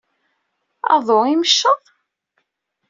Aḍu ymecceḍ?